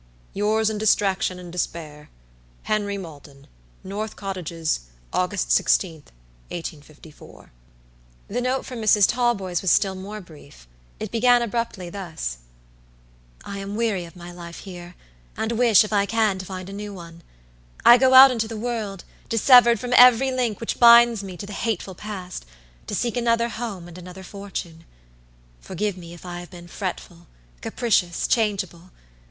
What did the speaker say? "Yours in distraction and despair, "HENRY MALDON. "NORTH COTTAGES, August 16th, 1854." The note from Mrs. Talboys was still more brief. It began abruptly thus: "I am weary of my life here, and wish, if I can, to find a new one. I go out into the world, dissevered from every link which binds me to the hateful past, to seek another home and another fortune. Forgive me if I have been fretful, capricious, changeable.